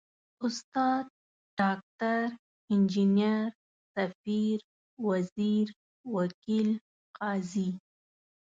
استاد، ډاکټر، انجنیر، ، سفیر، وزیر، وکیل، قاضي ...